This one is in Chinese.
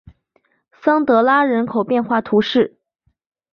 桑德拉人口变化图示